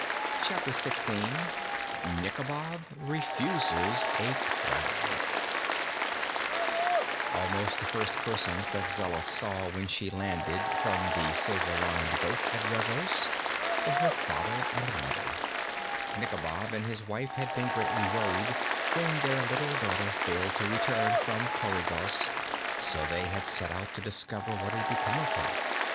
Chapter Sixteen Nikobob Refuses a Crown Almost the first persons that Zella saw when she landed from the silver lined boat at Regos were her father and mother. Nikobob and his wife had been greatly worried when their little daughter failed to return from Coregos, so they had set out to discover what had become of her.